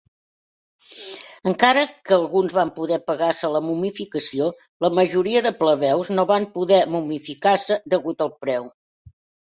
Encara que alguns van poder pagar-se la momificació, la majoria de plebeus no van poder momificar-se degut al preu.